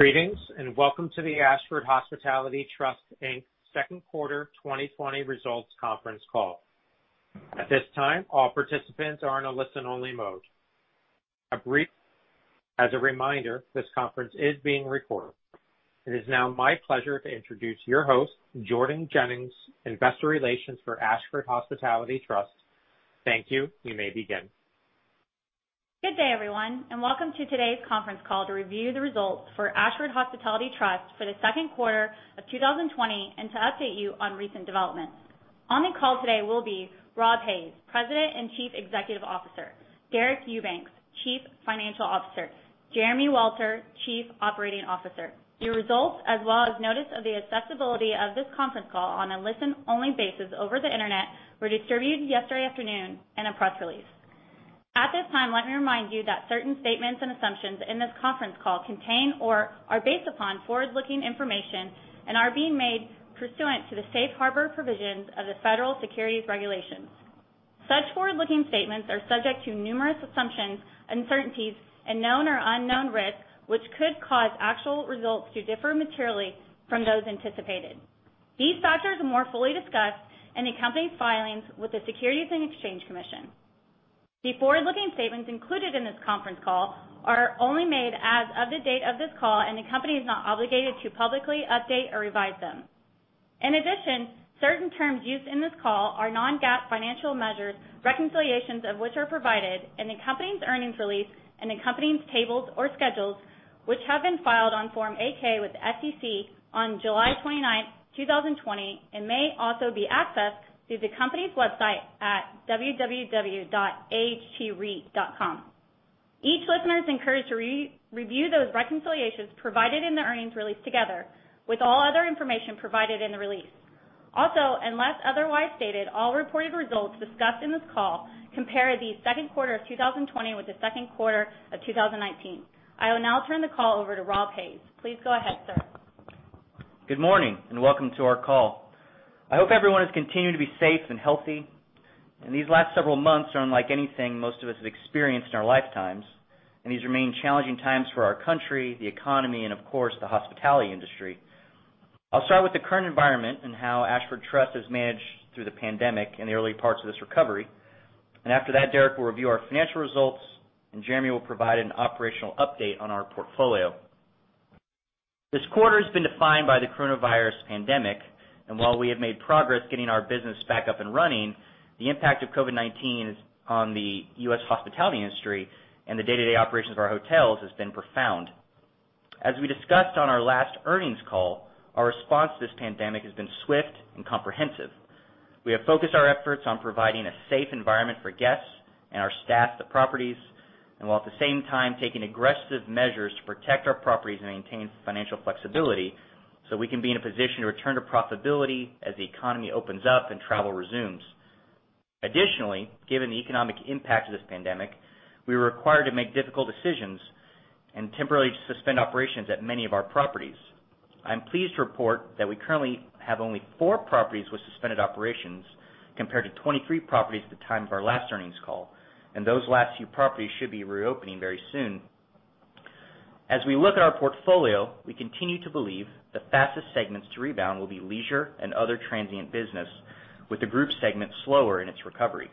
Greetings, welcome to the Ashford Hospitality Trust Inc. second quarter 2020 results conference call. At this time, all participants are in a listen-only mode. As a reminder, this conference is being recorded. It is now my pleasure to introduce your host, Jordan Jennings, Investor Relations for Ashford Hospitality Trust. Thank you. You may begin. Good day, everyone, and welcome to today's conference call to review the results for Ashford Hospitality Trust for the second quarter of 2020 and to update you on recent developments. On the call today will be Rob Hays, President and Chief Executive Officer, Deric Eubanks, Chief Financial Officer, Jeremy Welter, Chief Operating Officer. The results, as well as notice of the accessibility of this conference call on a listen-only basis over the Internet, were distributed yesterday afternoon in a press release. At this time, let me remind that certain statements and assumptions in this conference call contain or are based upon forward-looking information, and are being made pursuant to the safe harbor provisions of the federal Securities Regulations. Such forward-looking statements are subject to numerous assumptions, uncertainties, and known or unknown risks, which could cause actual results to differ materially from those anticipated. These factors are more fully discussed in the company's filings with the Securities and Exchange Commission. The forward-looking statements included in this conference call are only made as of the date of this call, and the company is not obligated to publicly update or revise them. In addition, certain terms used in this call are non-GAAP financial measures, reconciliations of which are provided in the company's earnings release and accompanying tables or schedules, which have been filed on Form 8-K with the SEC on July 29th, 2020, and may also be accessed through the company's website at www.ahtreit.com. Each listener is encouraged to review those reconciliations provided in the earnings release together with all other information provided in the release. Also, unless otherwise stated, all reported results discussed in this call compare the second quarter of 2020 with the second quarter of 2019. I will now turn the call over to Rob Hays. Please go ahead, sir. Good morning, welcome to our call. I hope everyone has continued to be safe and healthy. These last several months are unlike anything most of us have experienced in our lifetimes, and these remain challenging times for our country, the economy, and of course, the hospitality industry. I'll start with the current environment and how Ashford Trust has managed through the pandemic in the early parts of this recovery. After that, Deric will review our financial results, and Jeremy will provide an operational update on our portfolio. This quarter has been defined by the coronavirus pandemic, and while we have made progress getting our business back up and running, the impact of COVID-19 on the U.S. hospitality industry and the day-to-day operations of our hotels has been profound. As we discussed on our last earnings call, our response to this pandemic has been swift and comprehensive. We have focused our efforts on providing a safe environment for guests and our staff at the properties, and while at the same time taking aggressive measures to protect our properties and maintain financial flexibility so we can be in a position to return to profitability as the economy opens up and travel resumes. Additionally, given the economic impact of this pandemic, we were required to make difficult decisions and temporarily suspend operations at many of our properties. I'm pleased to report that we currently have only four properties with suspended operations, compared to 23 properties at the time of our last earnings call, and those last few properties should be reopening very soon. As we look at our portfolio, we continue to believe the fastest segments to rebound will be leisure and other transient business, with the group segment slower in its recovery.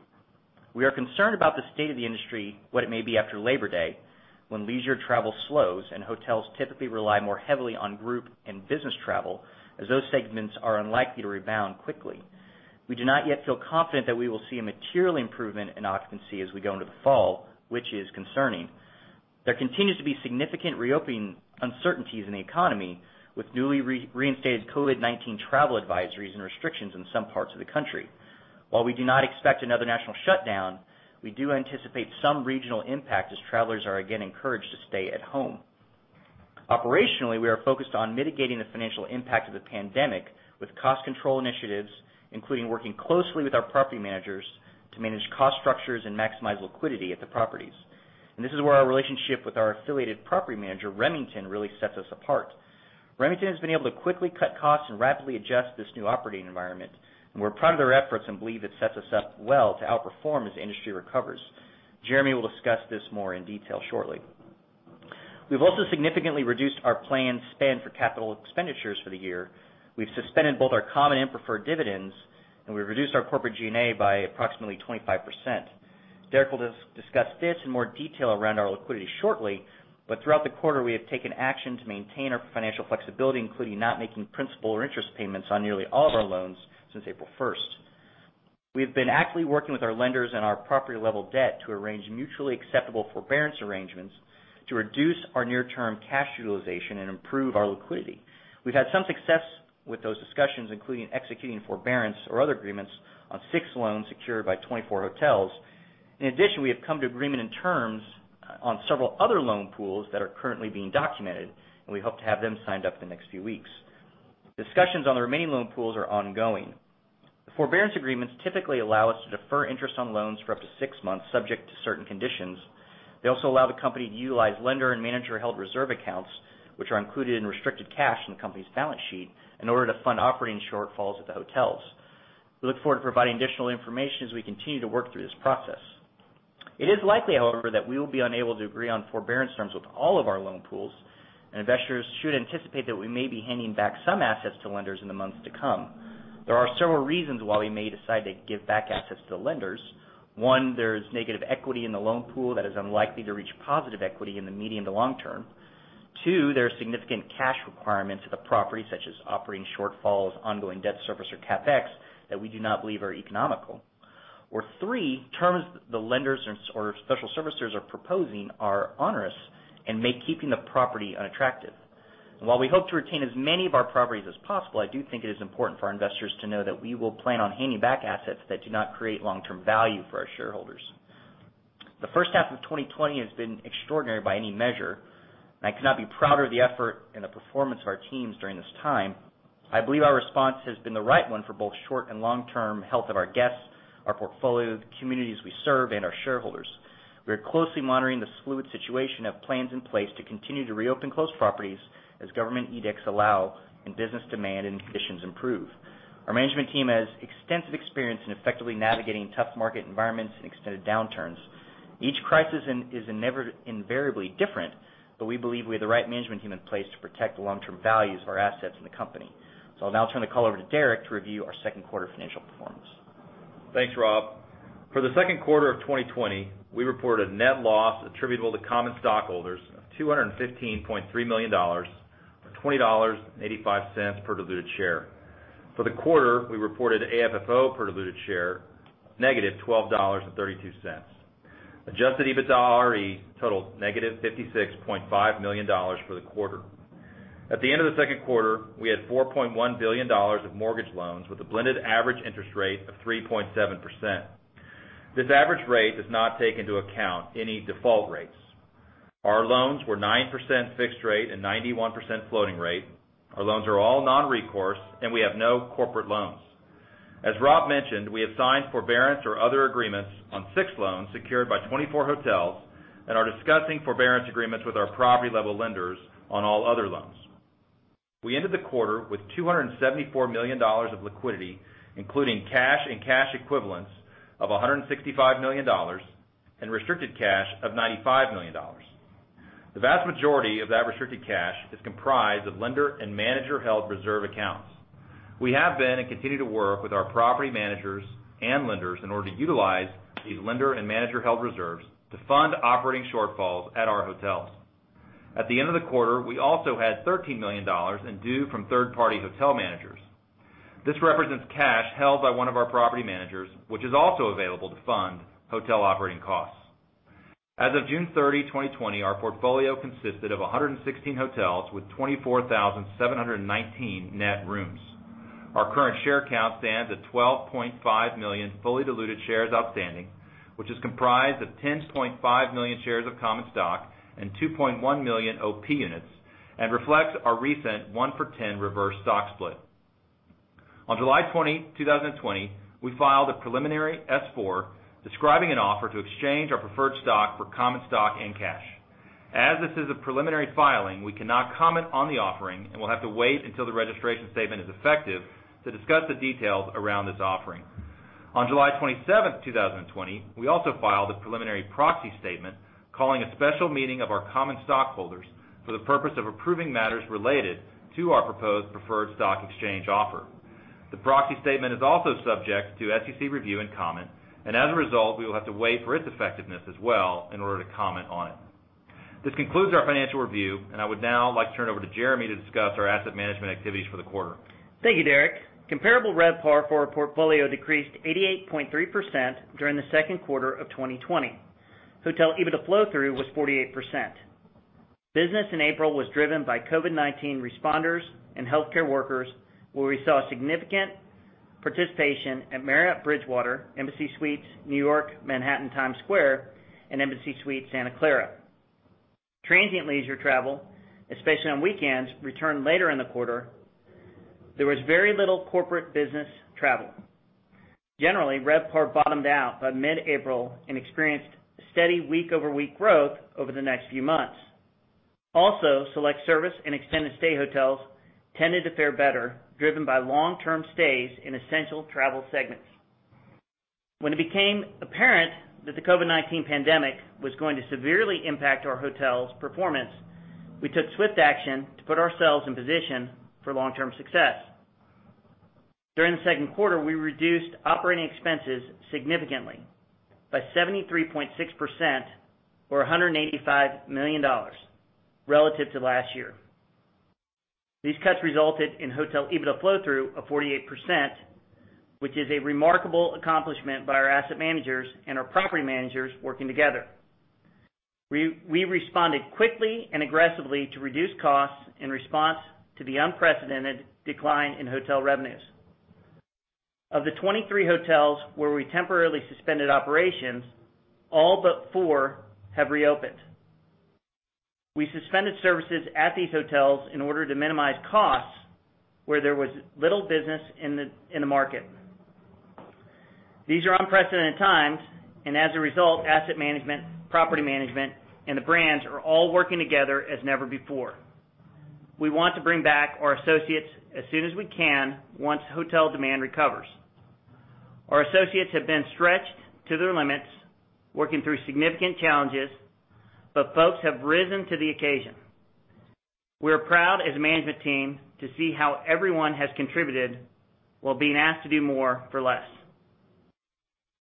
We are concerned about the state of the industry, what it may be after Labor Day, when leisure travel slows and hotels typically rely more heavily on group and business travel, as those segments are unlikely to rebound quickly. We do not yet feel confident that we will see a material improvement in occupancy as we go into the fall, which is concerning. There continues to be significant reopening uncertainties in the economy, with newly reinstated COVID-19 travel advisories and restrictions in some parts of the country. While we do not expect another national shutdown, we do anticipate some regional impact as travelers are again encouraged to stay at home. Operationally, we are focused on mitigating the financial impact of the pandemic with cost control initiatives, including working closely with our property managers to manage cost structures and maximize liquidity at the properties. This is where our relationship with our affiliated property manager, Remington, really sets us apart. Remington has been able to quickly cut costs and rapidly adjust to this new operating environment, and we're proud of their efforts and believe it sets us up well to outperform as the industry recovers. Jeremy will discuss this more in detail shortly. We've also significantly reduced our planned spend for capital expenditures for the year. We've suspended both our common and preferred dividends, and we've reduced our corporate G&A by approximately 25%. Deric will discuss this in more detail around our liquidity shortly, but throughout the quarter, we have taken action to maintain our financial flexibility, including not making principal or interest payments on nearly all of our loans since April 1st. We've been actively working with our lenders and our property-level debt to arrange mutually acceptable forbearance arrangements to reduce our near-term cash utilization and improve our liquidity. We've had some success with those discussions, including executing forbearance or other agreements on 6 loans secured by 24 hotels. In addition, we have come to agreement in terms on several other loan pools that are currently being documented, and we hope to have them signed up in the next few weeks. Discussions on the remaining loan pools are ongoing. The forbearance agreements typically allow us to defer interest on loans for up to six months, subject to certain conditions. They also allow the company to utilize lender and manager-held reserve accounts, which are included in restricted cash in the company's balance sheet, in order to fund operating shortfalls at the hotels. We look forward to providing additional information as we continue to work through this process. It is likely, however, that we will be unable to agree on forbearance terms with all of our loan pools, and investors should anticipate that we may be handing back some assets to lenders in the months to come. There are several reasons why we may decide to give back assets to the lenders. One, there's negative equity in the loan pool that is unlikely to reach positive equity in the medium to long term. Two, there are significant cash requirements of the property, such as operating shortfalls, ongoing debt service, or CapEx, that we do not believe are economical. Or three, terms the lenders or special servicers are proposing are onerous and make keeping the property unattractive. While we hope to retain as many of our properties as possible, I do think it is important for our investors to know that we will plan on handing back assets that do not create long-term value for our shareholders. The first half of 2020 has been extraordinary by any measure, and I could not be prouder of the effort and the performance of our teams during this time. I believe our response has been the right one for both short-term and long-term health of our guests, our portfolio, the communities we serve, and our shareholders. We are closely monitoring this fluid situation, have plans in place to continue to reopen closed properties as government edicts allow and business demand and conditions improve. Our management team has extensive experience in effectively navigating tough market environments and extended downturns. Each crisis is invariably different, we believe we have the right management team in place to protect the long-term values of our assets in the company. I'll now turn the call over to Deric to review our second quarter financial performance. Thanks, Rob. For the second quarter of 2020, we reported a net loss attributable to common stockholders of $215.3 million, or $20.85 per diluted share. For the quarter, we reported AFFO per diluted share negative $12.32. Adjusted EBITDAre totaled negative $56.5 million for the quarter. At the end of the second quarter, we had $4.1 billion of mortgage loans with a blended average interest rate of 3.7%. This average rate does not take into account any default rates. Our loans were 9% fixed rate and 91% floating rate. Our loans are all non-recourse, and we have no corporate loans. As Rob mentioned, we have signed forbearance or other agreements on six loans secured by 24 hotels and are discussing forbearance agreements with our property-level lenders on all other loans. We ended the quarter with $274 million of liquidity, including cash and cash equivalents of $165 million and restricted cash of $95 million. The vast majority of that restricted cash is comprised of lender and manager-held reserve accounts. We have been and continue to work with our property managers and lenders in order to utilize these lender and manager-held reserves to fund operating shortfalls at our hotels. At the end of the quarter, we also had $13 million in due from third-party hotel managers. This represents cash held by one of our property managers, which is also available to fund hotel operating costs. As of June 30, 2020, our portfolio consisted of 116 hotels with 24,719 net rooms. Our current share count stands at 12.5 million fully diluted shares outstanding, which is comprised of 10.5 million shares of common stock and 2.1 million OP units and reflects our recent one-for-10 reverse stock split. On July 20, 2020, we filed a preliminary S-4 describing an offer to exchange our preferred stock for common stock and cash. As this is a preliminary filing, we cannot comment on the offering and will have to wait until the registration statement is effective to discuss the details around this offering. On July 27, 2020, we also filed a preliminary proxy statement calling a special meeting of our common stockholders for the purpose of approving matters related to our proposed preferred stock exchange offer. The proxy statement is also subject to SEC review and comment, and as a result, we will have to wait for its effectiveness as well in order to comment on it. This concludes our financial review, and I would now like to turn it over to Jeremy to discuss our asset management activities for the quarter. Thank you, Deric. Comparable RevPAR for our portfolio decreased 88.3% during the second quarter of 2020. Hotel EBITDA flow-through was 48%. Business in April was driven by COVID-19 responders and healthcare workers, where we saw significant participation at Marriott Bridgewater, Embassy Suites New York Manhattan Times Square, and Embassy Suites Santa Clara. Transient leisure travel, especially on weekends, returned later in the quarter. There was very little corporate business travel. Generally, RevPAR bottomed out by mid-April and experienced steady week-over-week growth over the next few months. Select service and extended stay hotels tended to fare better, driven by long-term stays in essential travel segments. When it became apparent that the COVID-19 pandemic was going to severely impact our hotels' performance, we took swift action to put ourselves in position for long-term success. During the second quarter, we reduced operating expenses significantly by 73.6%, or $185 million, relative to last year. These cuts resulted in hotel EBITDA flow-through of 48%, which is a remarkable accomplishment by our asset managers and our property managers working together. We responded quickly and aggressively to reduce costs in response to the unprecedented decline in hotel revenues. Of the 23 hotels where we temporarily suspended operations, all but four have reopened. We suspended services at these hotels in order to minimize costs where there was little business in the market. As a result, asset management, property management, and the brands are all working together as never before. We want to bring back our associates as soon as we can once hotel demand recovers. Our associates have been stretched to their limits working through significant challenges, folks have risen to the occasion. We are proud as a management team to see how everyone has contributed while being asked to do more for less.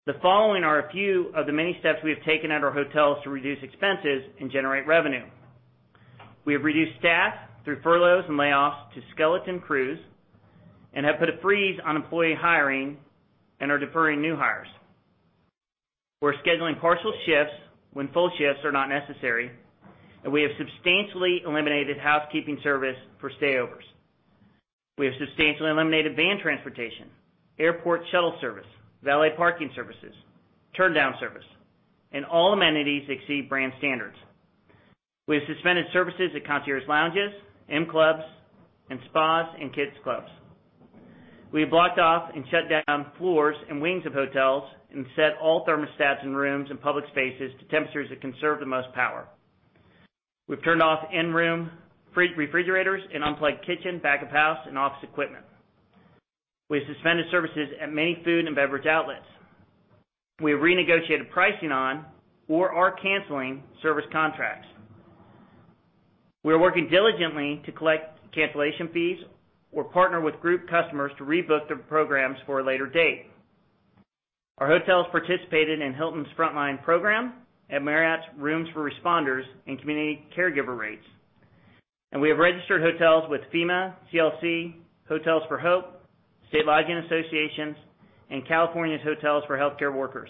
The following are a few of the many steps we have taken at our hotels to reduce expenses and generate revenue. We have reduced staff through furloughs and layoffs to skeleton crews, and have put a freeze on employee hiring and are deferring new hires. We're scheduling partial shifts when full shifts are not necessary, and we have substantially eliminated housekeeping service for stay-overs. We have substantially eliminated van transportation, airport shuttle service, valet parking services, turndown service, and all amenities that exceed brand standards. We have suspended services at concierge lounges, M Club, and spas, and kids clubs. We have blocked off and shut down floors and wings of hotels and set all thermostats in rooms and public spaces to temperatures that conserve the most power. We've turned off in-room refrigerators and unplugged kitchen, back of house, and office equipment. We have suspended services at many food and beverage outlets. We have renegotiated pricing on or are canceling service contracts. We are working diligently to collect cancellation fees or partner with group customers to rebook their programs for a later date. Our hotels participated in Hilton's Frontline program and Marriott's Rooms for Responders and community caregiver rates. We have registered hotels with FEMA, CLC, Hotels for Hope, state lodging associations, and California's Hotels for Healthcare Workers.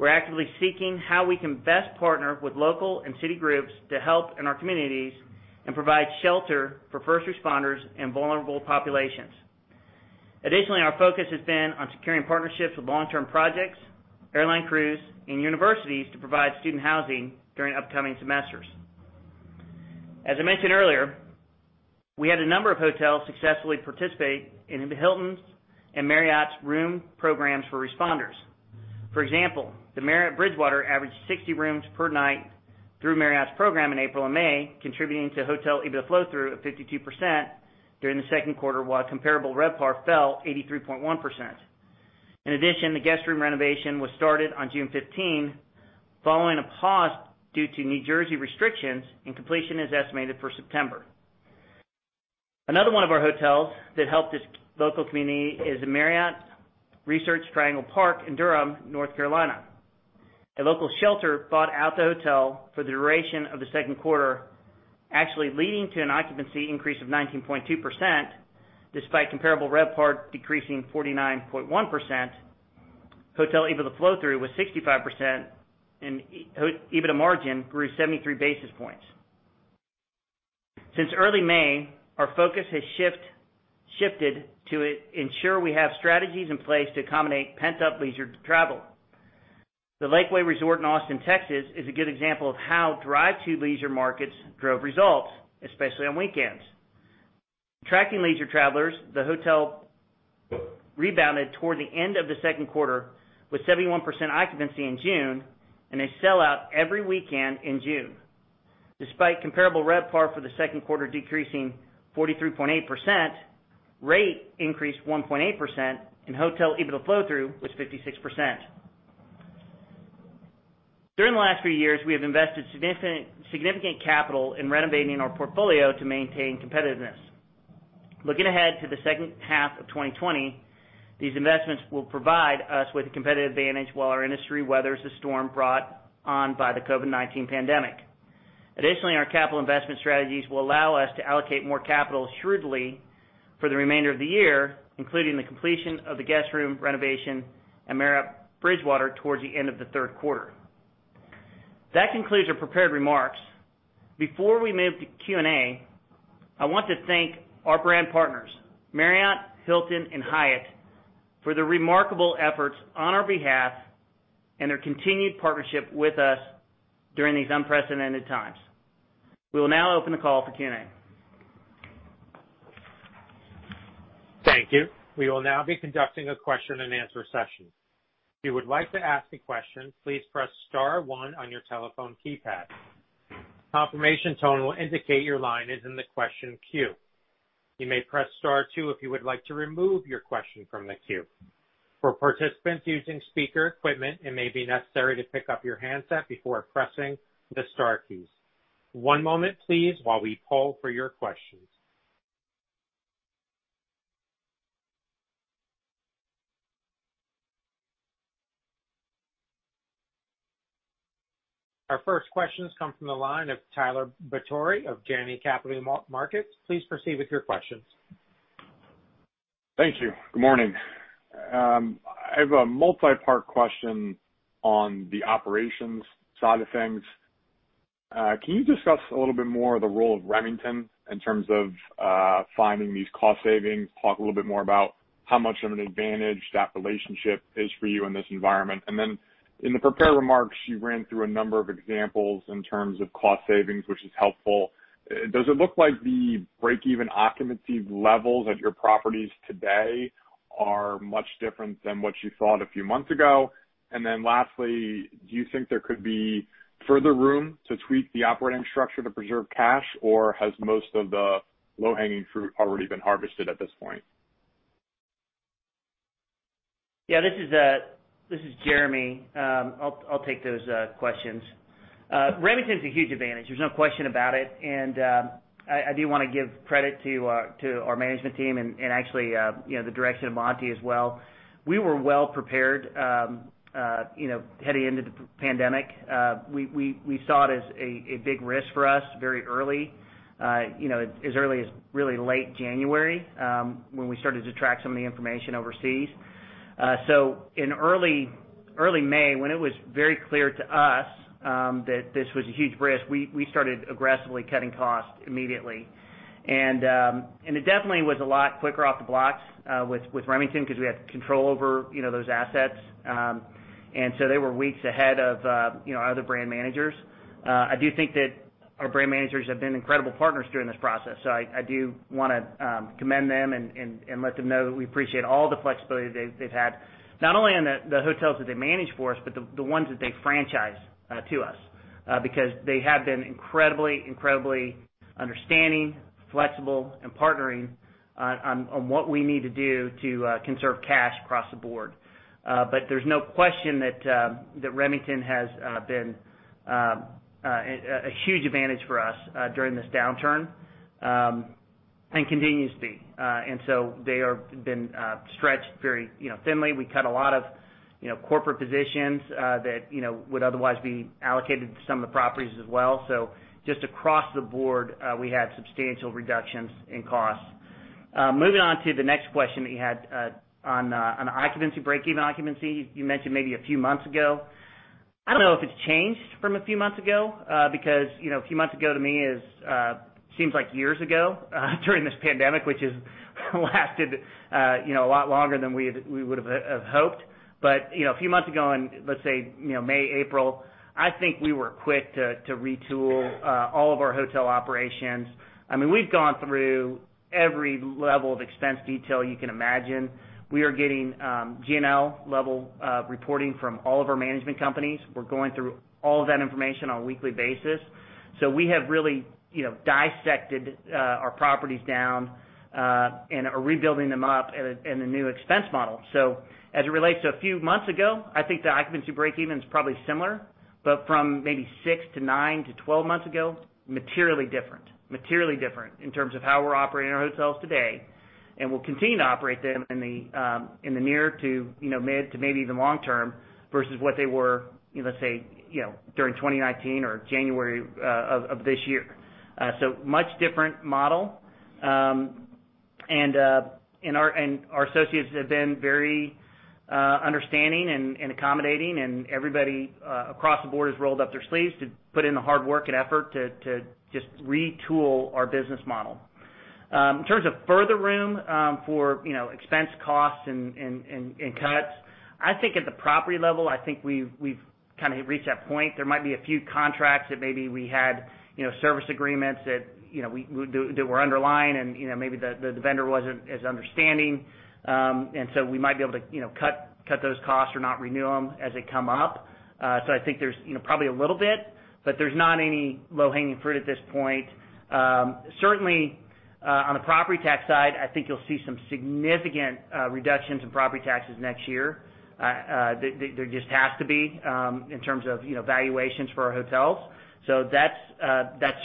We're actively seeking how we can best partner with local and city groups to help in our communities and provide shelter for first responders and vulnerable populations. Additionally, our focus has been on securing partnerships with long-term projects, airline crews, and universities to provide student housing during upcoming semesters. As I mentioned earlier, we had a number of hotels successfully participate in Hilton's and Marriott's room programs for responders. For example, the Marriott Bridgewater averaged 60 rooms per night through Marriott's Program in April and May, contributing to hotel EBITDA flow-through of 52% during the second quarter, while comparable RevPAR fell 83.1%. In addition, the guest room renovation was started on June 15, following a pause due to New Jersey restrictions, and completion is estimated for September. Another one of our hotels that helped its local community is the Marriott Research Triangle Park in Durham, North Carolina. A local shelter bought out the hotel for the duration of the second quarter, actually leading to an occupancy increase of 19.2%, despite comparable RevPAR decreasing 49.1%. Hotel EBITDA flow-through was 65%, and EBITDA margin grew 73 basis points. Since early May, our focus has shifted to ensure we have strategies in place to accommodate pent-up leisure travel. The Lakeway Resort in Austin, Texas, is a good example of how drive to leisure markets drove results, especially on weekends. Tracking leisure travelers, the hotel rebounded toward the end of the second quarter with 71% occupancy in June, and they sell out every weekend in June. Despite comparable RevPAR for the second quarter decreasing 43.8%, rate increased 1.8% and hotel EBITDA flow-through was 56%. During the last few years, we have invested significant capital in renovating our portfolio to maintain competitiveness. Looking ahead to the second half of 2020, these investments will provide us with a competitive advantage while our industry weathers the storm brought on by the COVID-19 pandemic. Our capital investment strategies will allow us to allocate more capital shrewdly for the remainder of the year, including the completion of the guest room renovation at Marriott Bridgewater towards the end of the third quarter. That concludes our prepared remarks. Before we move to Q&A, I want to thank our brand partners, Marriott, Hilton, and Hyatt, for their remarkable efforts on our behalf and their continued partnership with us during these unprecedented times. We will now open the call for Q&A. Thank you. We will now be conducting a question and answer session. If you would like to ask a question, please press star one on your telephone keypad. Confirmation tone will indicate your line is in the question queue. You may press star two if you would like to remove your question from the queue. For participants using speaker equipment, it may be necessary to pick up your handset before pressing the star keys. One moment, please, while we poll for your questions. Our first questions come from the line of Tyler Batory of Janney Montgomery Scott. Please proceed with your questions. Thank you. Good morning. I have a multi-part question on the operations side of things. Can you discuss a little bit more the role of Remington in terms of finding these cost savings? Talk a little bit more about how much of an advantage that relationship is for you in this environment. In the prepared remarks, you ran through a number of examples in terms of cost savings, which is helpful. Does it look like the break-even occupancy levels at your properties today are much different than what you thought a few months ago? Lastly, do you think there could be further room to tweak the operating structure to preserve cash, or has most of the low-hanging fruit already been harvested at this point? Yeah. This is Jeremy. I'll take those questions. Remington's a huge advantage, there's no question about it, and I do want to give credit to our management team and actually the direction of Monty as well. We were well-prepared heading into the pandemic. We saw it as a big risk for us very early, as early as really late January, when we started to track some of the information overseas. In early May, when it was very clear to us that this was a huge risk, we started aggressively cutting costs immediately. It definitely was a lot quicker off the blocks with Remington because we had control over those assets. They were weeks ahead of other brand managers. I do think that our brand managers have been incredible partners during this process, so I do want to commend them and let them know that we appreciate all the flexibility they've had, not only in the hotels that they manage for us, but the ones that they franchise to us. Because they have been incredibly understanding, flexible, and partnering on what we need to do to conserve cash across the board. There's no question that Remington has been a huge advantage for us during this downturn, and continues to be. They have been stretched very thinly. We cut a lot of corporate positions that would otherwise be allocated to some of the properties as well. Just across the board, we had substantial reductions in costs. Moving on to the next question that you had on occupancy, break-even occupancy, you mentioned maybe a few months ago. I don't know if it's changed from a few months ago, because a few months ago to me seems like years ago during this pandemic, which has lasted a lot longer than we would've hoped. A few months ago in, let's say, May, April, I think we were quick to retool all of our hotel operations. We've gone through every level of expense detail you can imagine. We are getting P&L level reporting from all of our management companies. We're going through all of that information on a weekly basis. We have really dissected our properties down and are rebuilding them up in a new expense model. As it relates to a few months ago, I think the occupancy break-even's probably similar, but from maybe 6-9-12 months ago, materially different. Materially different in terms of how we're operating our hotels today, and we'll continue to operate them in the near to maybe even long term, versus what they were, let's say, during 2019 or January of this year. Much different model. Our associates have been very understanding and accommodating, and everybody across the board has rolled up their sleeves to put in the hard work and effort to just retool our business model. In terms of further room for expense costs and cuts, I think at the property level, I think we've kind of reached that point. There might be a few contracts that maybe we had service agreements that were underlined, and maybe the vendor wasn't as understanding. We might be able to cut those costs or not renew them as they come up. I think there's probably a little bit, but there's not any low-hanging fruit at this point. Certainly, on the property tax side, I think you'll see some significant reductions in property taxes next year. There just has to be, in terms of valuations for our hotels. That's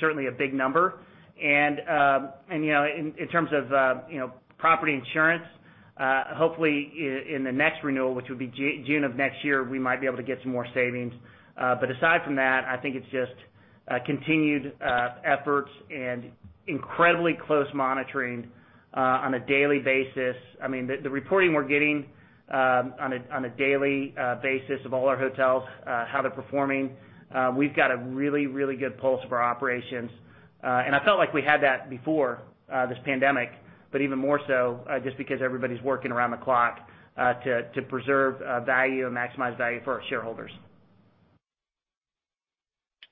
certainly a big number. In terms of property insurance, hopefully in the next renewal, which will be June of next year, we might be able to get some more savings. Aside from that, I think it's just continued efforts and incredibly close monitoring on a daily basis. The reporting we're getting on a daily basis of all our hotels, how they're performing, we've got a really good pulse of our operations. I felt like we had that before this pandemic, but even more so just because everybody's working around the clock to preserve value and maximize value for our shareholders.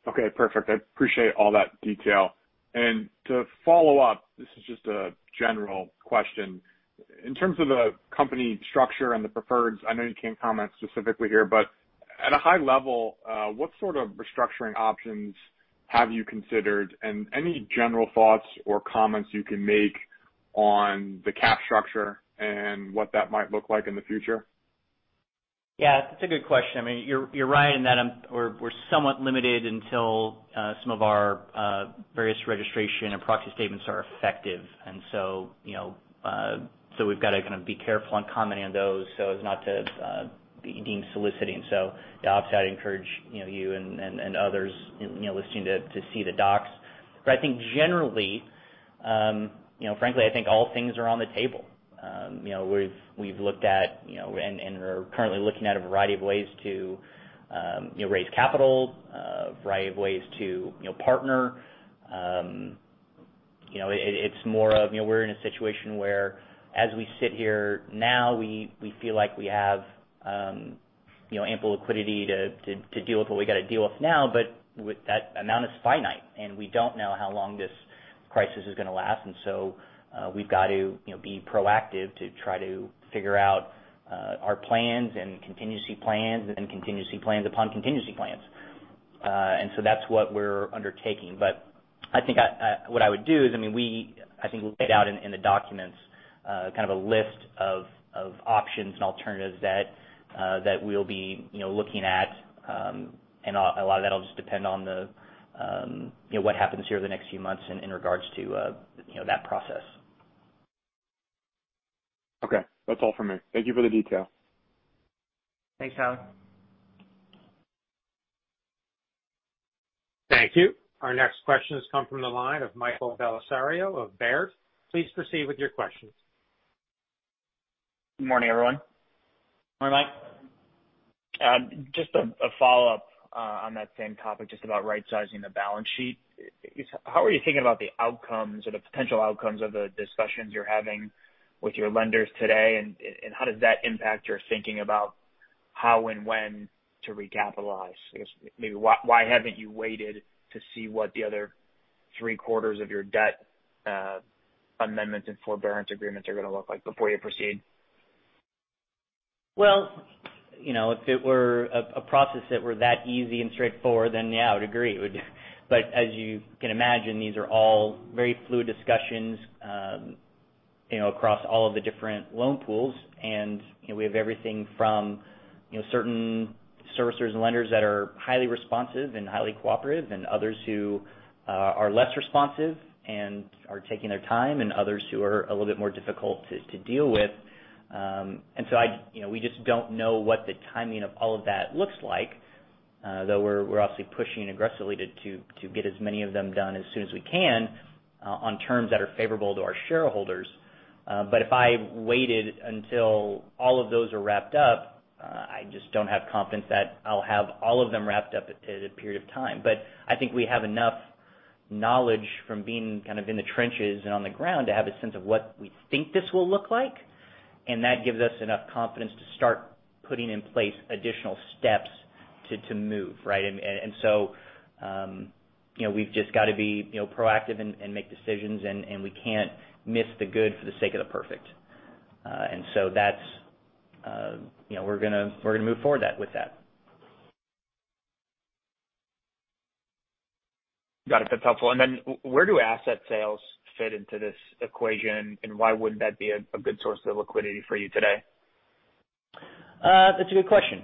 Okay, perfect. I appreciate all that detail. To follow up, this is just a general question. In terms of the company structure and the preferreds, I know you can't comment specifically here, but at a high level, what sort of restructuring options have you considered? Any general thoughts or comments you can make on the cap structure and what that might look like in the future? Yeah. That's a good question. You're right in that we're somewhat limited until some of our various registration and proxy statements are effective. We've got to kind of be careful on commenting on those so as not to be deemed soliciting. To the opposite, I'd encourage you and others listening to see the docs. I think generally, frankly, I think all things are on the table. We've looked at, and are currently looking at a variety of ways to raise capital, a variety of ways to partner. It's more of we're in a situation where, as we sit here now, we feel like we have Ample liquidity to deal with what we got to deal with now. That amount is finite, and we don't know how long this crisis is going to last. We've got to be proactive to try to figure out our plans and contingency plans and contingency plans upon contingency plans. That's what we're undertaking. I think what I would do is, I think we'll lay it out in the documents, kind of a list of options and alternatives that we'll be looking at. A lot of that'll just depend on what happens here over the next few months in regards to that process. Okay. That's all from me. Thank you for the detail. Thanks, Tyler. Thank you. Our next question has come from the line of Michael Bellisario of Baird. Please proceed with your questions. Good morning, everyone. Good morning, Mike. Just a follow-up on that same topic, just about right-sizing the balance sheet. How are you thinking about the outcomes or the potential outcomes of the discussions you're having with your lenders today, and how does that impact your thinking about how and when to recapitalize? I guess maybe why haven't you waited to see what the other three-quarters of your debt amendments and forbearance agreements are going to look like before you proceed? Well, if it were a process that were that easy and straightforward, then yeah, I would agree. As you can imagine, these are all very fluid discussions across all of the different loan pools, and we have everything from certain servicers and lenders that are highly responsive and highly cooperative, and others who are less responsive and are taking their time, and others who are a little bit more difficult to deal with. We just don't know what the timing of all of that looks like. Though we're obviously pushing aggressively to get as many of them done as soon as we can on terms that are favorable to our shareholders. If I waited until all of those are wrapped up, I just don't have confidence that I'll have all of them wrapped up at a period of time. I think we have enough knowledge from being kind of in the trenches and on the ground to have a sense of what we think this will look like, and that gives us enough confidence to start putting in place additional steps to move. Right? We've just got to be proactive and make decisions, and we can't miss the good for the sake of the perfect. We're going to move forward with that. Got it. That's helpful. Where do asset sales fit into this equation, and why wouldn't that be a good source of liquidity for you today? That's a good question.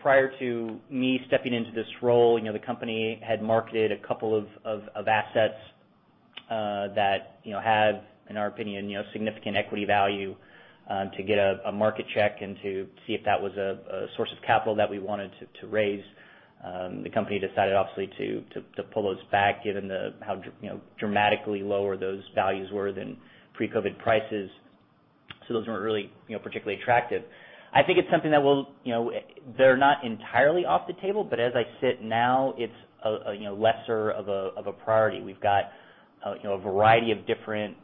Prior to me stepping into this role, the company had marketed a couple of assets that had, in our opinion, significant equity value to get a market check and to see if that was a source of capital that we wanted to raise. The company decided, obviously, to pull those back given how dramatically lower those values were than pre-COVID prices. Those weren't really particularly attractive. I think it's something that they're not entirely off the table, but as I sit now, it's a lesser of a priority. We've got a variety of different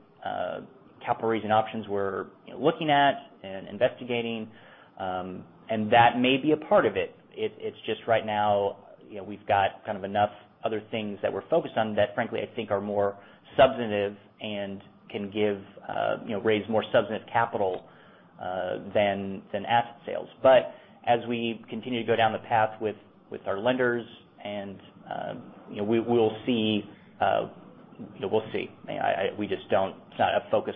capital raising options we're looking at and investigating. That may be a part of it. It's just right now, we've got kind of enough other things that we're focused on that frankly, I think are more substantive and can raise more substantive capital than asset sales. As we continue to go down the path with our lenders, we'll see. It's not a focus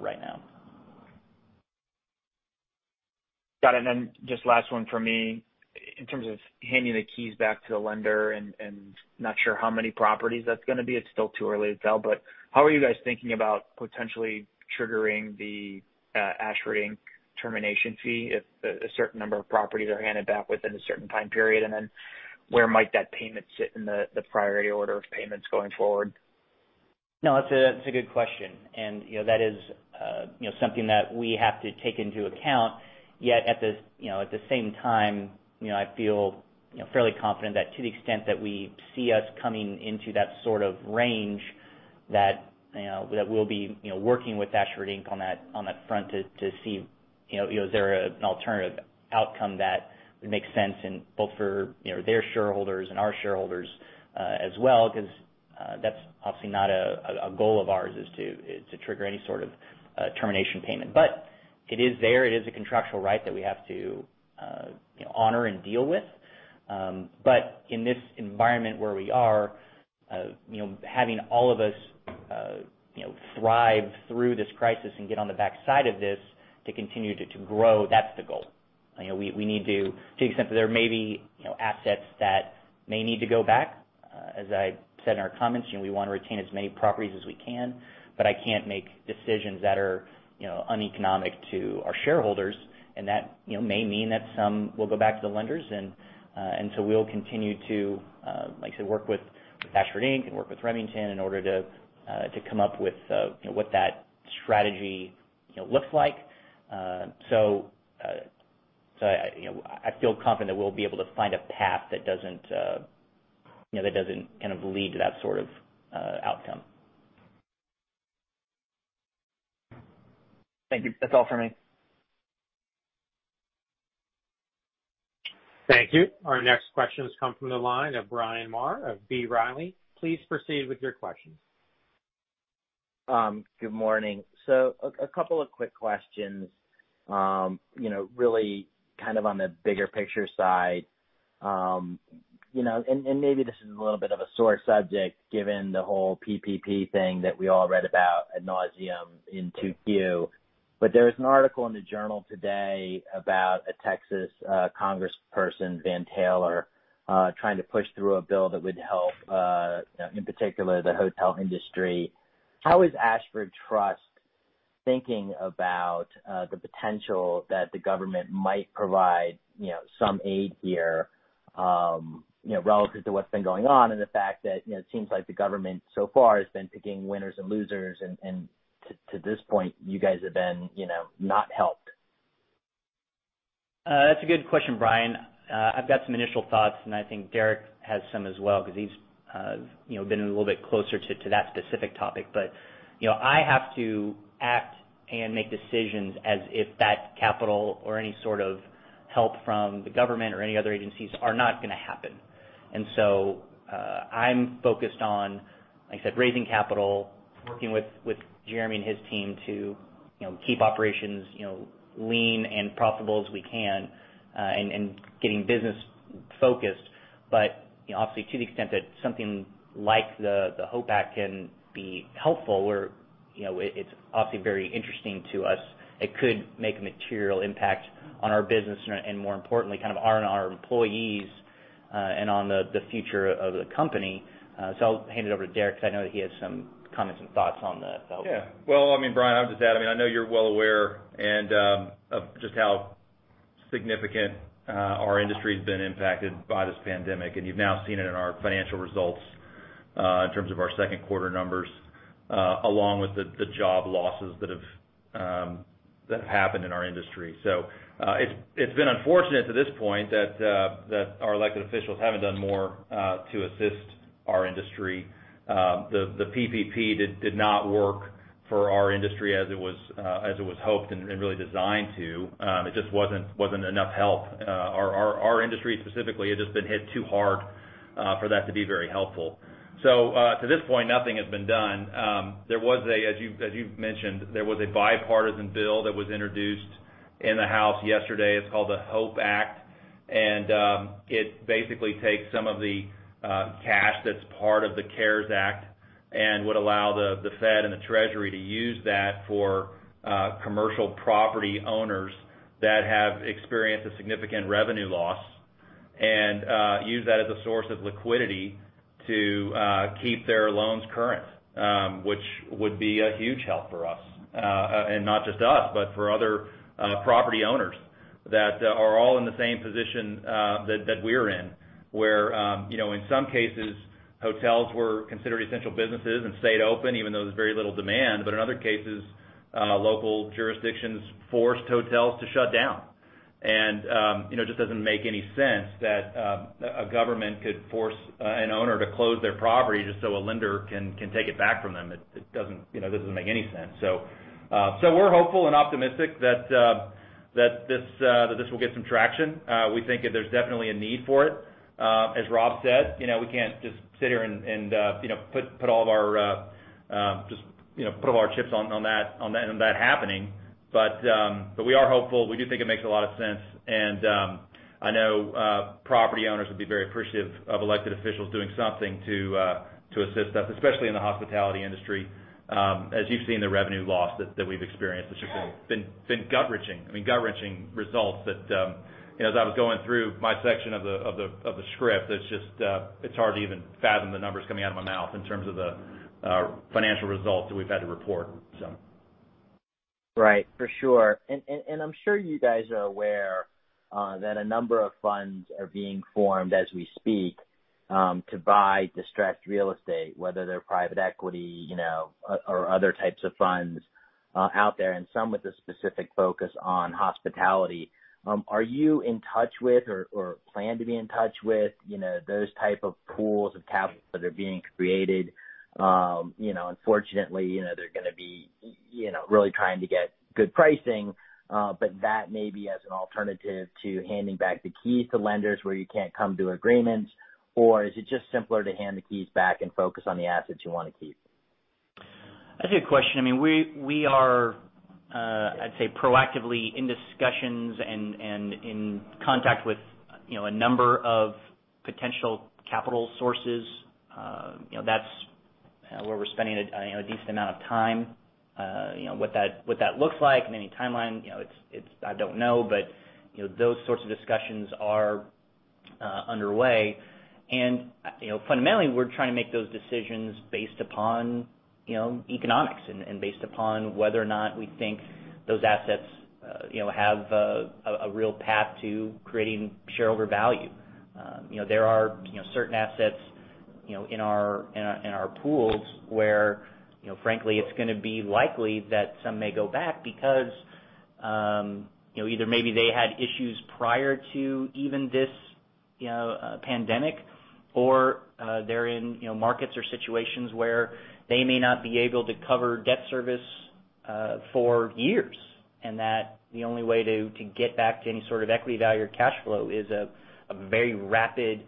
right now. Got it. Just last one from me. In terms of handing the keys back to the lender and not sure how many properties that's going to be, it's still too early to tell, but how are you guys thinking about potentially triggering the Ashford Inc. termination fee if a certain number of properties are handed back within a certain time period? Where might that payment sit in the priority order of payments going forward? No, that's a good question. That is something that we have to take into account. Yet, at the same time, I feel fairly confident that to the extent that we see us coming into that sort of range, that we'll be working with Ashford Inc. on that front to see is there an alternative outcome that would make sense both for their shareholders and our shareholders as well, because that's obviously not a goal of ours, is to trigger any sort of termination payment. It is there. It is a contractual right that we have to honor and deal with. In this environment where we are, having all of us thrive through this crisis and get on the backside of this to continue to grow, that's the goal. To the extent that there may be assets that may need to go back, as I said in our comments, we want to retain as many properties as we can. I can't make decisions that are uneconomic to our shareholders, and that may mean that some will go back to the lenders. We'll continue to, like I said, work with Ashford Inc. and work with Remington in order to come up with what that strategy looks like. I feel confident we'll be able to find a path that doesn't kind of lead to that sort of outcome. Thank you. That's all for me. Thank you. Our next questions come from the line of Bryan Maher of B. Riley. Please proceed with your questions. Good morning. A couple of quick questions, really kind of on the bigger picture side. Maybe this is a little bit of a sore subject given the whole PPP thing that we all read about ad nauseam in 2Q, but there was an article in the journal today about a Texas congressperson, Van Taylor, trying to push through a bill that would help, in particular, the hotel industry. How is Ashford Trust thinking about the potential that the government might provide some aid here, relative to what's been going on, and the fact that it seems like the government so far has been picking winners and losers, and to this point, you guys have been not helped? That's a good question, Bryan. I've got some initial thoughts, I think Deric has some as well, because he's been a little bit closer to that specific topic. I have to act and make decisions as if that capital or any sort of help from the government or any other agencies are not going to happen. I'm focused on, like I said, raising capital, working with Jeremy and his team to keep operations lean and profitable as we can, and getting business-focused. Obviously, to the extent that something like the HOPE Act can be helpful where it's obviously very interesting to us, it could make a material impact on our business and more importantly, on our employees, and on the future of the company. I'll hand it over to Deric because I know that he has some comments and thoughts on the HOPE Act. Well, Bryan, I'll just add, I know you're well aware of just how significant our industry's been impacted by this pandemic, and you've now seen it in our financial results, in terms of our second quarter numbers, along with the job losses that have happened in our industry. It's been unfortunate to this point that our elected officials haven't done more to assist our industry. The PPP did not work for our industry as it was hoped and really designed to. It just wasn't enough help. Our industry specifically has just been hit too hard for that to be very helpful. To this point, nothing has been done. As you've mentioned, there was a bipartisan bill that was introduced in the House yesterday. It's called the HOPE Act, and it basically takes some of the cash that's part of the CARES Act and would allow the Fed and the Treasury to use that for commercial property owners that have experienced a significant revenue loss, and use that as a source of liquidity to keep their loans current, which would be a huge help for us. Not just us, but for other property owners that are all in the same position that we're in, where in some cases, hotels were considered essential businesses and stayed open even though there was very little demand. In other cases, local jurisdictions forced hotels to shut down. It just doesn't make any sense that a government could force an owner to close their property just so a lender can take it back from them. It doesn't make any sense. We're hopeful and optimistic that this will get some traction. We think that there's definitely a need for it. As Rob said, we can't just sit here and just put all of our chips on that happening, but we are hopeful. We do think it makes a lot of sense, and I know property owners would be very appreciative of elected officials doing something to assist us, especially in the hospitality industry, as you've seen the revenue loss that we've experienced. It's just been gut-wrenching results that as I was going through my section of the script, it's hard to even fathom the numbers coming out of my mouth in terms of the financial results that we've had to report. Right. For sure. I'm sure you guys are aware that a number of funds are being formed as we speak to buy distressed real estate, whether they're private equity or other types of funds out there, and some with a specific focus on hospitality. Are you in touch with or plan to be in touch with those type of pools of capital that are being created? Unfortunately, they're going to be really trying to get good pricing. That may be as an alternative to handing back the keys to lenders where you can't come to agreements, or is it just simpler to hand the keys back and focus on the assets you want to keep? That's a good question. We are, I'd say, proactively in discussions and in contact with a number of potential capital sources. That's where we're spending a decent amount of time. What that looks like and any timeline, I don't know. Those sorts of discussions are underway. Fundamentally, we're trying to make those decisions based upon economics and based upon whether or not we think those assets have a real path to creating shareholder value. There are certain assets in our pools where frankly, it's going to be likely that some may go back because either maybe they had issues prior to even this pandemic or they're in markets or situations where they may not be able to cover debt service for years, and that the only way to get back to any sort of equity value or cash flow is a very rapid recovery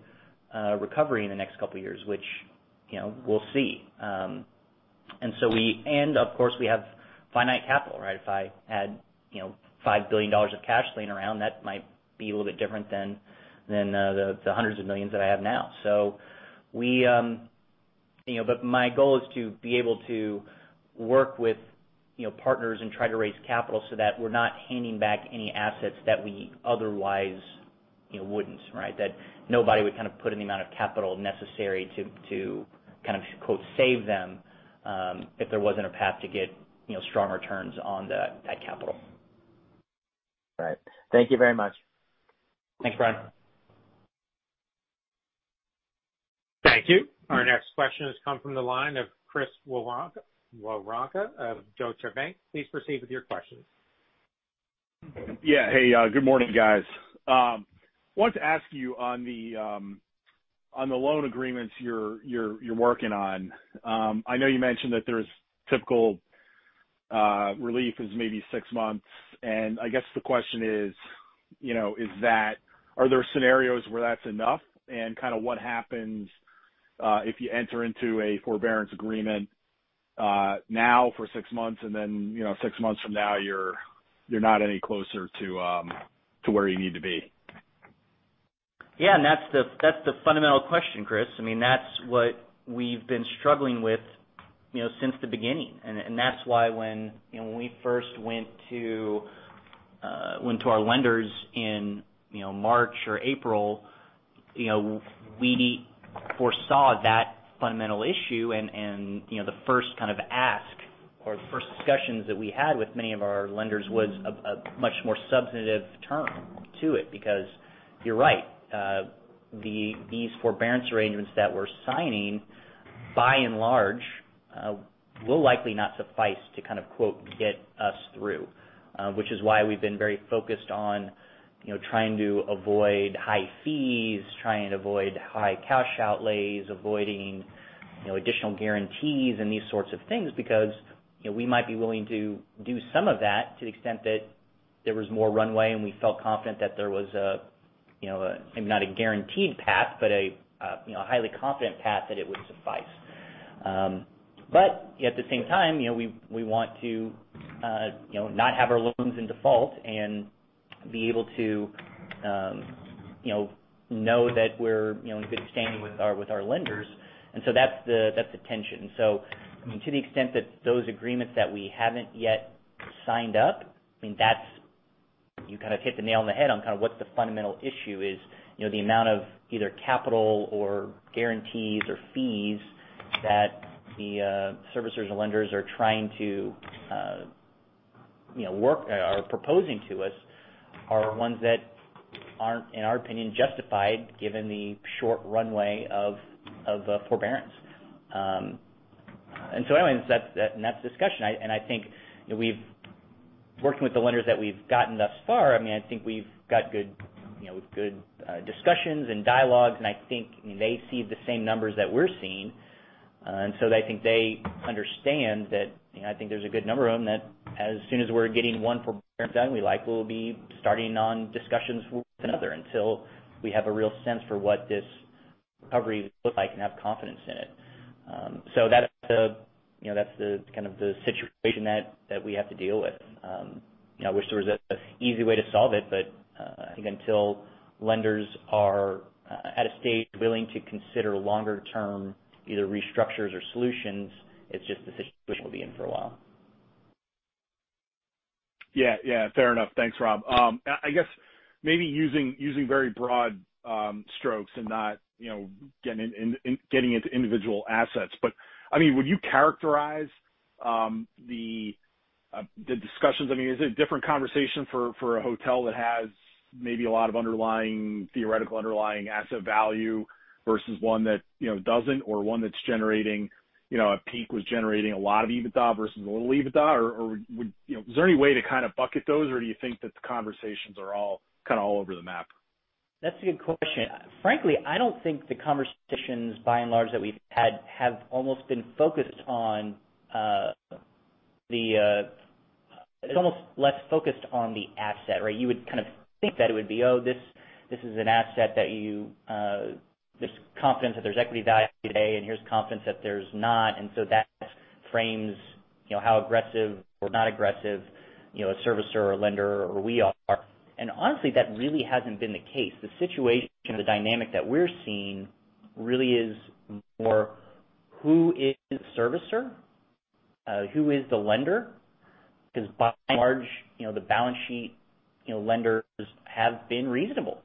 in the next couple of years, which we'll see. Of course, we have finite capital. If I had $5 billion of cash laying around, that might be a little bit different than the hundreds of millions that I have now. My goal is to be able to work with partners and try to raise capital so that we're not handing back any assets that we otherwise wouldn't. That nobody would put in the amount of capital necessary to "save them," if there wasn't a path to get strong returns on that capital. Right. Thank you very much. Thanks, Bryan. Thank you. Our next question has come from the line of Chris Woronka of Deutsche Bank. Please proceed with your questions. Yeah. Hey, good morning, guys. I wanted to ask you on the loan agreements you're working on. I know you mentioned that there's typical relief is maybe six months. I guess the question is, are there scenarios where that's enough? What happens if you enter into a forbearance agreement now for six months and then, six months from now, you're not any closer to where you need to be? Yeah, that's the fundamental question, Chris. That's what we've been struggling with since the beginning. That's why when we first went to our lenders in March or April, we foresaw that fundamental issue and the first ask or the first discussions that we had with many of our lenders was a much more substantive term to it. You're right, these forbearance arrangements that we're signing, by and large, will likely not suffice to "get us through." Which is why we've been very focused on trying to avoid high fees, trying to avoid high cash outlays, avoiding additional guarantees and these sorts of things. We might be willing to do some of that to the extent that there was more runway and we felt confident that there was a, maybe not a guaranteed path, but a highly confident path that it would suffice. At the same time, we want to not have our loans in default and be able to know that we're in good standing with our lenders. That's the tension. To the extent that those agreements that we haven't yet signed up, you hit the nail on the head on what the fundamental issue is. The amount of either capital or guarantees or fees that the servicers and lenders are trying to work or are proposing to us are ones that aren't, in our opinion, justified given the short runway of a forbearance. Anyways, that's the discussion. I think we've worked with the lenders that we've gotten thus far. I think we've got good discussions and dialogues, and I think they see the same numbers that we're seeing. I think they understand that I think there's a good number of them that as soon as we're getting one forbearance done, we likely will be starting on discussions with another until we have a real sense for what this recovery will look like and have confidence in it. That's the situation that we have to deal with. I wish there was an easy way to solve it, but I think until lenders are at a stage willing to consider longer-term either restructures or solutions, it's just the situation we'll be in for a while. Yeah. Fair enough. Thanks, Rob. I guess maybe using very broad strokes and not getting into individual assets, would you characterize the discussions? Is it a different conversation for a hotel that has maybe a lot of theoretical underlying asset value versus one that doesn't or one that at peak was generating a lot of EBITDA versus a little EBITDA? Is there any way to bucket those, or do you think that the conversations are all over the map? That's a good question. Frankly, I don't think the conversations, by and large, that we've had have almost been less focused on the asset. You would think that it would be, oh, this is an asset that there's confidence that there's equity value today, and here's confidence that there's not. That frames how aggressive or not aggressive a servicer or lender or we are. Honestly, that really hasn't been the case. The situation or the dynamic that we're seeing really is more who is the servicer? Who is the lender? By and large, the balance sheet lenders have been reasonable.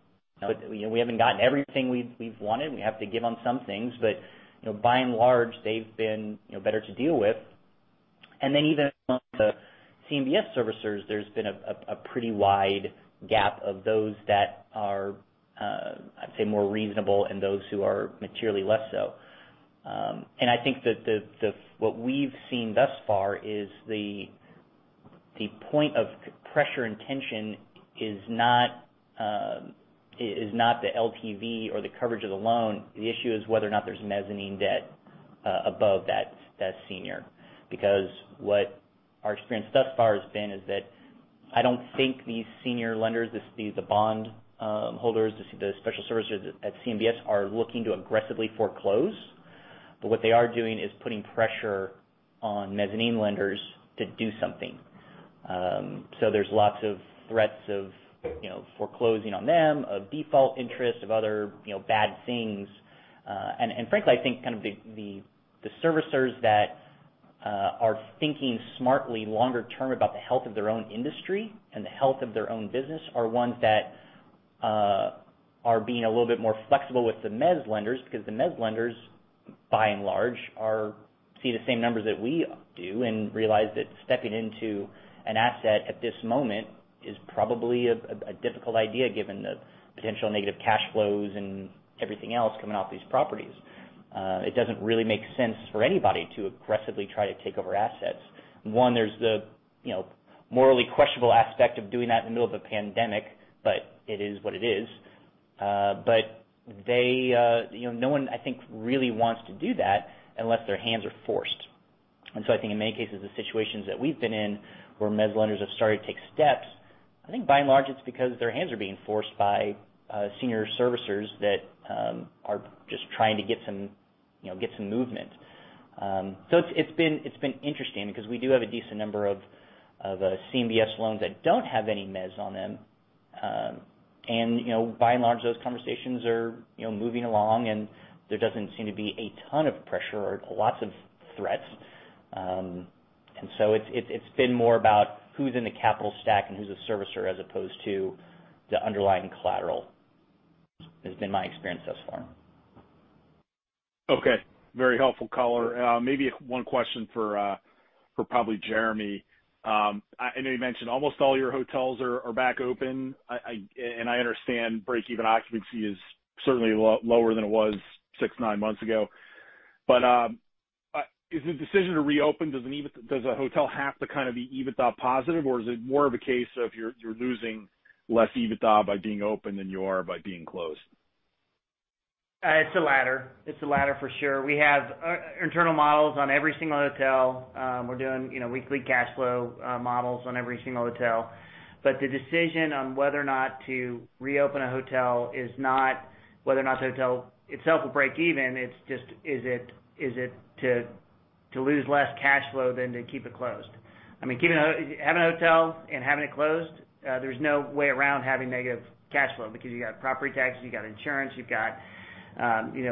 We haven't gotten everything we've wanted. We have to give them some things. By and large, they've been better to deal with. Even amongst the CMBS servicers, there's been a pretty wide gap of those that are, I'd say, more reasonable and those who are materially less so. I think that what we've seen thus far is the point of pressure and tension is not the LTV or the coverage of the loan. The issue is whether or not there's mezzanine debt above that senior. What our experience thus far has been is that I don't think these senior lenders, the bond holders, the special servicers at CMBS are looking to aggressively foreclose. What they are doing is putting pressure on mezzanine lenders to do something. There's lots of threats of foreclosing on them, of default interest, of other bad things. Frankly, I think the servicers that are thinking smartly longer term about the health of their own industry and the health of their own business are ones that are being a little bit more flexible with the mezz lenders because the mezz lenders, by and large, see the same numbers that we do and realize that stepping into an asset at this moment is probably a difficult idea given the potential negative cash flows and everything else coming off these properties. It doesn't really make sense for anybody to aggressively try to take over assets. One, there's the morally questionable aspect of doing that in the middle of a pandemic, but it is what it is. No one, I think, really wants to do that unless their hands are forced. I think in many cases, the situations that we've been in where mezz lenders have started to take steps, I think by and large, it's because their hands are being forced by senior servicers that are just trying to get some movement. It's been interesting because we do have a decent number of CMBS loans that don't have any mezz on them. By and large, those conversations are moving along, and there doesn't seem to be a ton of pressure or lots of threats. It's been more about who's in the capital stack and who's a servicer, as opposed to the underlying collateral, has been my experience thus far. Okay. Very helpful color. Maybe one question for probably Jeremy. I know you mentioned almost all your hotels are back open. I understand break-even occupancy is certainly lower than it was six, nine months ago. Is the decision to reopen, does a hotel have to be EBITDA positive, or is it more of a case of you're losing less EBITDA by being open than you are by being closed? It's the latter. It's the latter for sure. We have internal models on every single hotel. We're doing weekly cash flow models on every single hotel. The decision on whether or not to reopen a hotel is not whether or not the hotel itself will break even. It's just is it to lose less cash flow than to keep it closed? Having a hotel and having it closed, there's no way around having negative cash flow because you got property taxes, you got insurance, you've got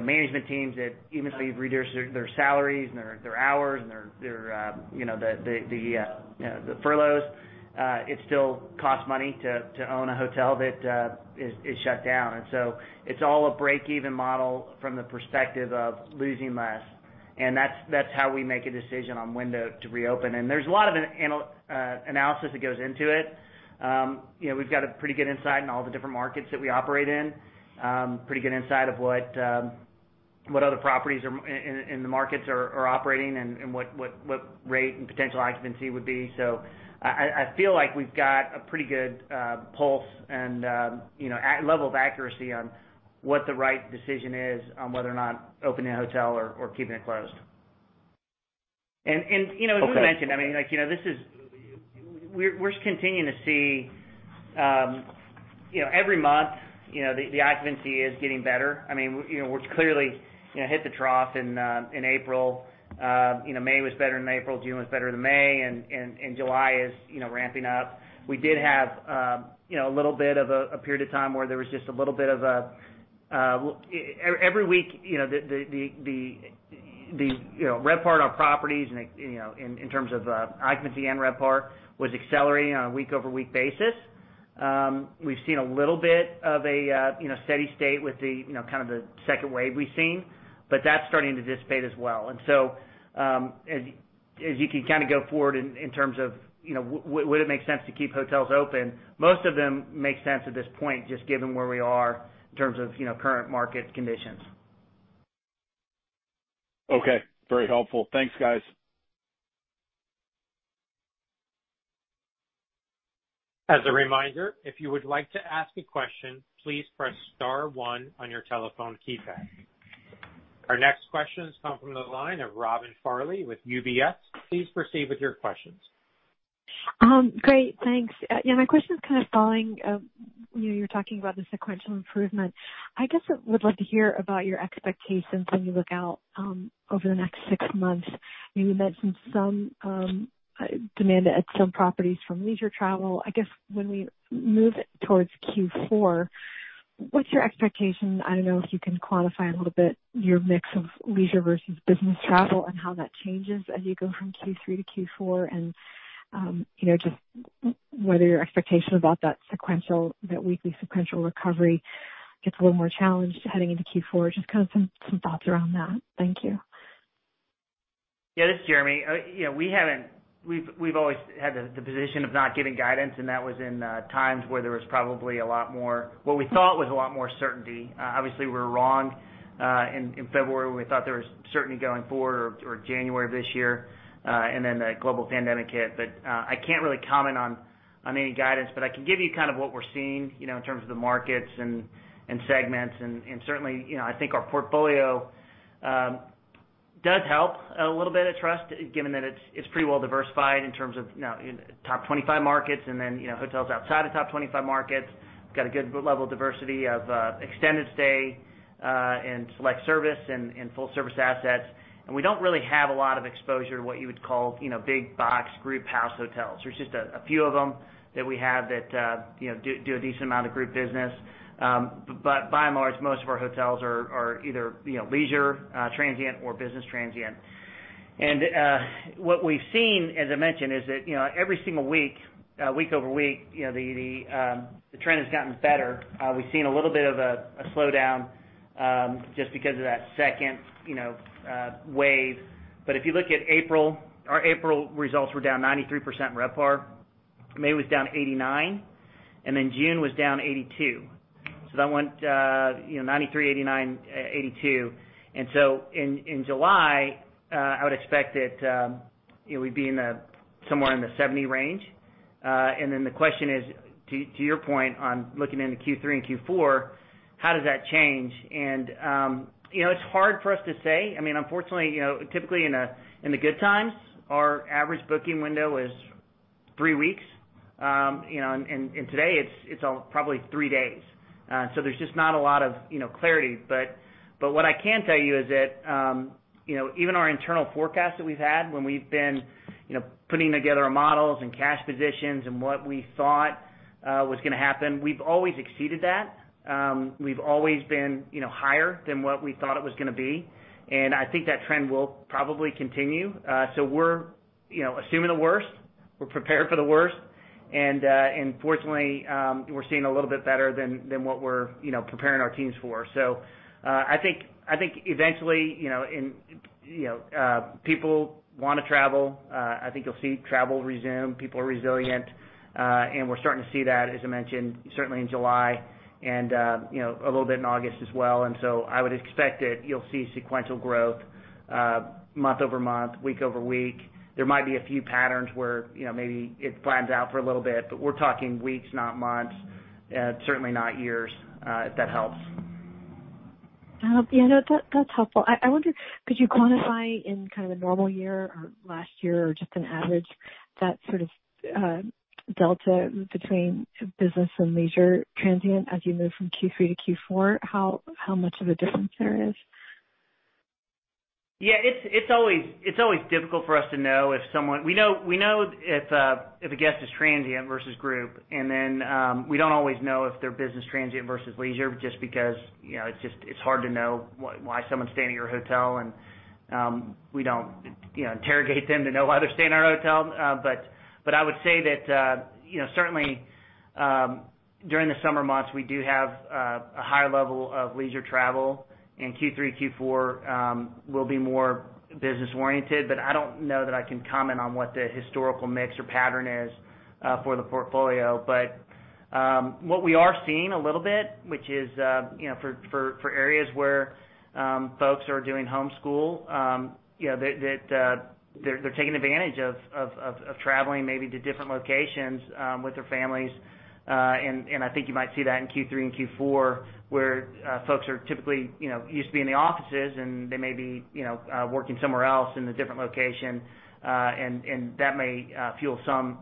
management teams that even if you've reduced their salaries and their hours and the furloughs, it still costs money to own a hotel that is shut down. It's all a break-even model from the perspective of losing less. That's how we make a decision on when to reopen. There's a lot of analysis that goes into it. We've got a pretty good insight in all the different markets that we operate in. Pretty good insight of what other properties in the markets are operating and what rate and potential occupancy would be. I feel like we've got a pretty good pulse and level of accuracy on what the right decision is on whether or not opening a hotel or keeping it closed. Okay. As you mentioned, we're just continuing to see every month, the occupancy is getting better. We clearly hit the trough in April. May was better than April, June was better than May, and July is ramping up. We did have a little bit of a period of time where there was just a little bit of every week, the RevPAR of our properties in terms of occupancy and RevPAR was accelerating on a week-over-week basis. We've seen a little bit of a steady state with the second wave we've seen, but that's starting to dissipate as well. As you can go forward in terms of would it make sense to keep hotels open, most of them make sense at this point, just given where we are in terms of current market conditions. Okay. Very helpful. Thanks, guys. As a reminder, if you would like to ask a question, please press star one on your telephone keypad. Our next question has come from the line of Robin Farley with UBS. Please proceed with your questions. Great. Thanks. My question is following, you were talking about the sequential improvement. I guess I would love to hear about your expectations when you look out over the next six months. You mentioned some demand at some properties from leisure travel. I guess when we move towards Q4, what's your expectation? I don't know if you can quantify a little bit your mix of leisure versus business travel and how that changes as you go from Q3 to Q4 and just whether your expectation about that weekly sequential recovery gets a little more challenged heading into Q4. Just some thoughts around that. Thank you. Yeah, this is Jeremy. We've always had the position of not giving guidance, and that was in times where there was probably what we thought was a lot more certainty. Obviously, we were wrong in February when we thought there was certainty going forward, or January of this year, and then the global pandemic hit. I can't really comment on any guidance, but I can give you kind of what we're seeing, in terms of the markets and segments. Certainly, I think our portfolio does help a little bit at Trust, given that it's pretty well diversified in terms of top 25 markets and then hotels outside of top 25 markets. We've got a good level of diversity of extended stay and select service and full-service assets. We don't really have a lot of exposure to what you would call big box group house hotels. There's just a few of them that we have that do a decent amount of group business. By and large, most of our hotels are either leisure transient or business transient. What we've seen, as I mentioned, is that every single week over week, the trend has gotten better. We've seen a little bit of a slowdown, just because of that second wave. If you look at April, our April results were down 93% RevPAR. May was down 89, and then June was down 82. That went 93, 89, 82. In July, I would expect that we'd be somewhere in the 70 range. The question is, to your point on looking into Q3 and Q4, how does that change? It's hard for us to say. Unfortunately, typically in the good times, our average booking window is three weeks. Today it's probably three days. There's just not a lot of clarity. What I can tell you is that even our internal forecast that we've had when we've been putting together our models and cash positions and what we thought was going to happen, we've always exceeded that. We've always been higher than what we thought it was going to be, and I think that trend will probably continue. We're assuming the worst. We're prepared for the worst, and fortunately, we're seeing a little bit better than what we're preparing our teams for. I think eventually, people want to travel. I think you'll see travel resume. People are resilient. We're starting to see that, as I mentioned, certainly in July, and a little bit in August as well. I would expect that you'll see sequential growth month-over-month, week-over-week. There might be a few patterns where maybe it flattens out for a little bit, but we're talking weeks, not months, certainly not years, if that helps. Yeah. No, that's helpful. I wonder, could you quantify in kind of a normal year or last year or just an average, that sort of delta between business and leisure transient as you move from Q3 to Q4, how much of a difference there is? It's always difficult for us to know if a guest is transient versus group, and then we don't always know if they're business transient versus leisure, just because it's hard to know why someone's staying at your hotel, and we don't interrogate them to know why they're staying at our hotel. I would say that certainly, during the summer months, we do have a high level of leisure travel, and Q3, Q4 will be more business-oriented. I don't know that I can comment on what the historical mix or pattern is for the portfolio. What we are seeing a little bit, which is for areas where folks are doing homeschool, that they're taking advantage of traveling maybe to different locations with their families. I think you might see that in Q3 and Q4, where folks are typically used to being in the offices, and they may be working somewhere else in a different location, and that may fuel some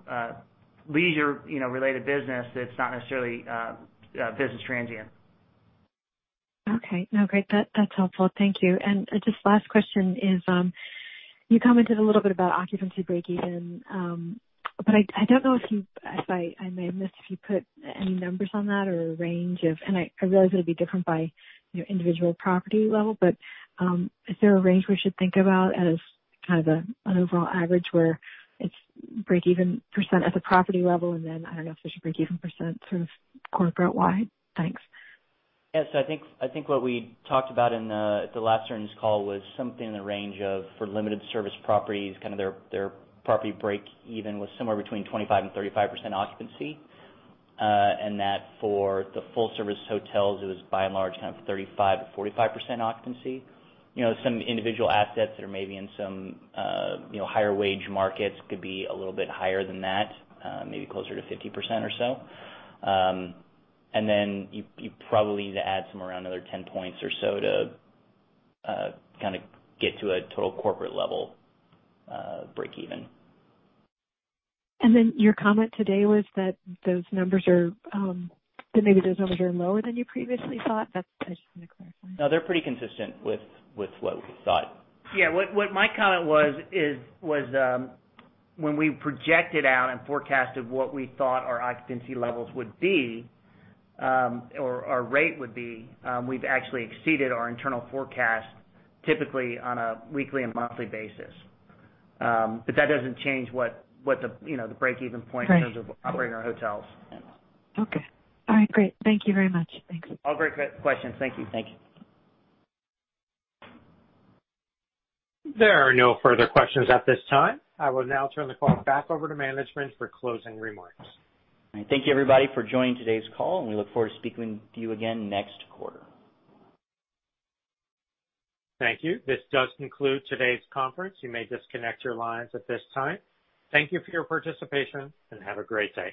leisure-related business that's not necessarily business transient. Okay. No, great. That's helpful. Thank you. Just last question is, you commented a little bit about occupancy breakeven, but I may have missed if you put any numbers on that or a range of. I realize it would be different by individual property level, but is there a range we should think about as kind of an overall average where it's breakeven % at the property level, and then, I don't know if there's a breakeven percentage sort of corporate-wide? Thanks. Yes. I think what we talked about in the last earnings call was something in the range of, for limited service properties, kind of their property breakeven was somewhere between 25%-35% occupancy. That for the full-service hotels, it was by and large kind of 35%-45% occupancy. Some individual assets that are maybe in some higher wage markets could be a little bit higher than that, maybe closer to 50% or so. Then you probably need to add some around another 10 points or so to kind of get to a total corporate level breakeven. Your comment today was that maybe those numbers are lower than you previously thought? I just want to clarify. No, they're pretty consistent with what we thought. Yeah. What my comment was is, when we projected out and forecasted what we thought our occupancy levels would be or our rate would be, we've actually exceeded our internal forecast typically on a weekly and monthly basis. That doesn't change what the breakeven point in terms of operating our hotels. Okay. All right, great. Thank you very much. Thanks. All great questions. Thank you. Thank you. There are no further questions at this time. I will now turn the call back over to management for closing remarks. All right. Thank you, everybody, for joining today's call, and we look forward to speaking with you again next quarter. Thank you. This does conclude today's conference. You may disconnect your lines at this time. Thank you for your participation, and have a great day.